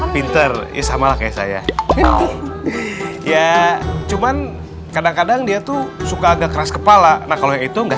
pinter isamalah kayak saya ya cuman kadang kadang dia tuh suka agak keras kepala nah kalau itu nggak